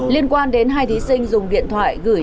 liên quan đến hai thí sinh dùng điện thoại